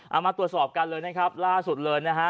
เอามาตรวจสอบกันเลยนะครับล่าสุดเลยนะฮะ